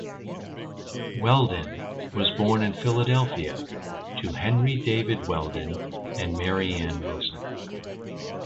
Wheldon was born in Philadelphia to Henry David Wheldon and Marianne Wilson.